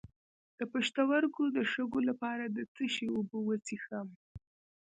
د پښتورګو د شګو لپاره د څه شي اوبه وڅښم؟